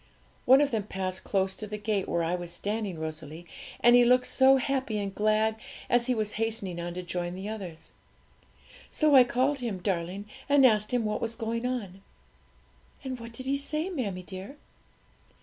One of them passed close to the gate where I was standing, Rosalie, and he looked so happy and glad, as he was hastening on to join the others. So I called him, darling, and asked him what was going on.' 'And what did he say, mammie dear?'